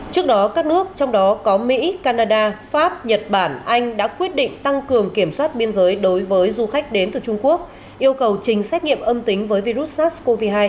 trước đó các nước trong đó có mỹ canada pháp nhật bản anh đã quyết định tăng cường kiểm soát biên giới đối với du khách đến từ trung quốc yêu cầu trình xét nghiệm âm tính với virus sars cov hai